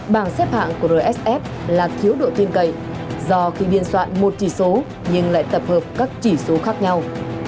bảng xếp hạng của rsf là thiếu độ tin cậy do khi biên soạn một chỉ số nhưng lại tập hợp các chỉ số khác nhau